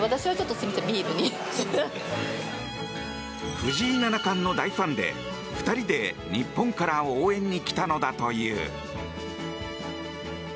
藤井七冠の大ファンで、２人で日本から応援に来たのだという。